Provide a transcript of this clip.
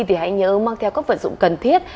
thì hãy nhớ mang theo các vận dụng cần thiết